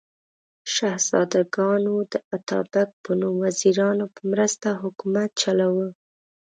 شهزادګانو د اتابک په نوم وزیرانو په مرسته حکومت چلاوه.